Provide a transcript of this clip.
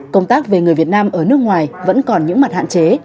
công tác về người việt nam ở nước ngoài vẫn còn những mặt hạn chế